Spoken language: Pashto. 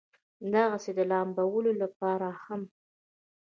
دغسې د لامبلو د پاره هم